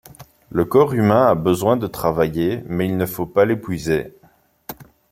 Le corps humain a besoin de travailler mais il ne faut pas l'épuiser.